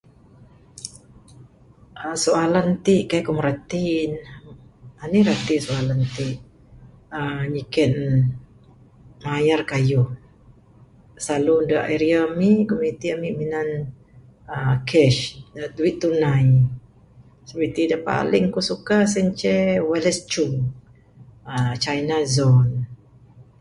uhh Soalan tik kai' ku mereti ne. Anih rati soalan tik. uhh Nyiken mayar kayuh. Slalu da area ami', komuniti ami' uhh ami' minat cash. Duit tunai. Celebriti da paling kuk suka sien ceh Wallace Chung. uhh Chaina zon.